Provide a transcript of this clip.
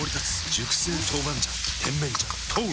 熟成豆板醤甜麺醤豆！